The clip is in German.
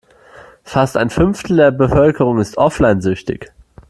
Fast ein Fünftel der Bevölkerung ist offline-süchtig.